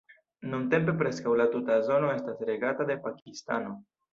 Nuntempe preskaŭ la tuta zono estas regata de Pakistano.